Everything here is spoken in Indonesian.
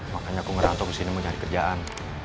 makanya aku ngerantok kesini mau cari kerjaan